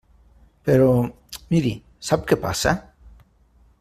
Però, miri, sap què passa?